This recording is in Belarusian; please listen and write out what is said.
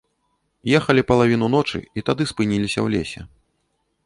Ехалі палавіну ночы і тады спыніліся ў лесе.